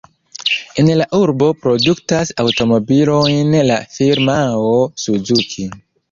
En la urbo produktas aŭtomobilojn la firmao Suzuki.